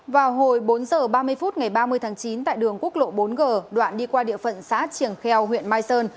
vào hồi bốn h ba mươi phút ngày ba mươi tháng chín tại đường quốc lộ bốn g đoạn đi qua địa phận xã triềng kheo huyện mai sơn